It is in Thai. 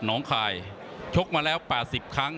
น้องคายชกมาแล้ว๘๐ครั้ง